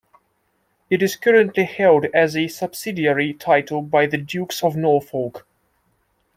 It is currently held as a subsidiary title by the Dukes of Norfolk.